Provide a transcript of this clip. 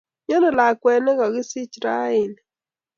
Miano lakwet ne go kisich ra ini?